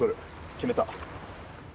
決めた。